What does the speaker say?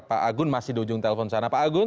pak agun masih di ujung telepon sana pak agung